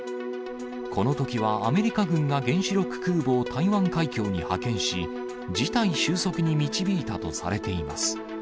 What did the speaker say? このときはアメリカ軍が原子力空母を台湾海峡に派遣し、事態収束に導いたとされています。